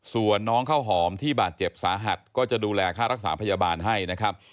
ส่วนน้องข้าวหอมที่บาดเจ็บสาหัสก็จะดูแลค่ารักษาพยาบาลให้นะครับ